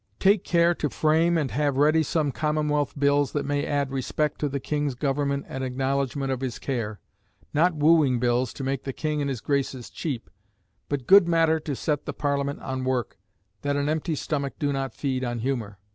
Take care to "frame and have ready some commonwealth bills, that may add respect to the King's government and acknowledgment of his care; not wooing bills to make the King and his graces cheap, but good matter to set the Parliament on work, that an empty stomach do not feed on humour."